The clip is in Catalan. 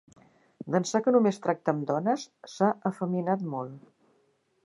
D'ençà que només tracta amb dones, s'ha efeminat molt!